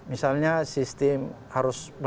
misalnya sistem hv